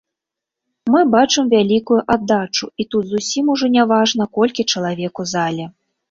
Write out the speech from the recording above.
Мы бачым вялікую аддачу, і тут зусім ужо не важна, колькі чалавек у зале.